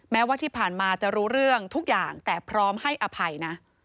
แม้ว่าที่ผ่านมาจะรู้เรื่องทุกอย่างแต่พร้อมให้อภัยนะ